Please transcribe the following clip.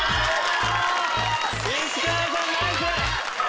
石川さんナイス！